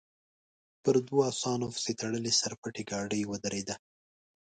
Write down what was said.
پر دوو اسانو پسې تړلې سر پټې ګاډۍ ودرېده.